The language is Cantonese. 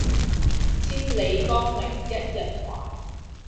千里江陵一日還